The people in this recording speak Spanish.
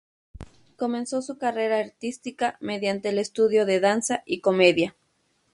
Comenzó su carrera artística mediante el estudio de danza y comedia.